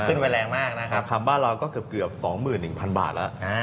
ขึ้นไปแรงมากขำบ้านเราก็เกือบ๒๑๐๐๐บาทแล้ว